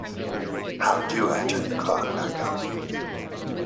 How do I turn the clock back on this?